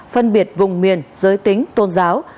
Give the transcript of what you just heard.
phân biệt vùng miền giới tính tôn giáo